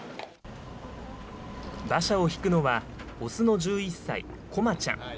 馬車を引くのは、雄の１１歳、コマちゃん。